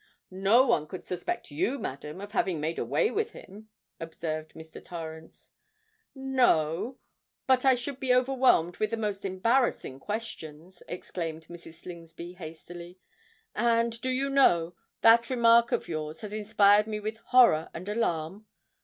"No one could suspect you, madam, of having made away with him," observed Mr. Torrens. "No—but I should be overwhelmed with the most embarrassing questions," exclaimed Mrs. Slingsby hastily. "And, do you know, that remark of your's has inspired me with horror and alarm?